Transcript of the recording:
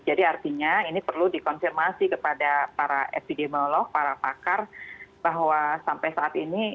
jadi artinya ini perlu dikonfirmasi kepada para epidemiolog para pakar bahwa sampai saat ini